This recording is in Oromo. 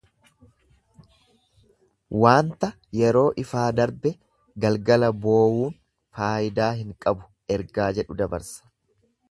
Waanta yeroo ifaa darbe galgala boowuun faayidaa hin qabu ergaa jedhu dabarsa.